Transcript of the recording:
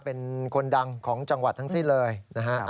เป็นคนดังของจังหวัดทั้งสิ้นเลยนะฮะ